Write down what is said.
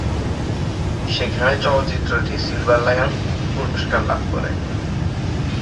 সেখানে চলচ্চিত্রটি silver lion পুরস্কার লাভ করে।